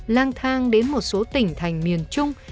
lang thang đến một số tỉnh thành miền trung